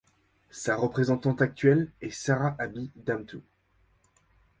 Sa représentante actuelle est Sara Abi Damtew.